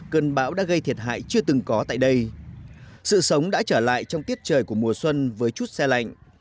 cơn bão đã gây thiệt hại chưa từng có tại đây sự sống đã trở lại trong tiết trời của mùa xuân với chút xe lạnh